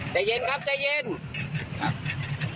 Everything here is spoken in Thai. ใจเย็นครับใจเย็นครับ